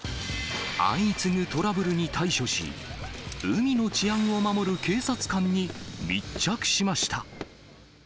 相次ぐトラブルに対処し、海の治安を守る警察官に密着しました。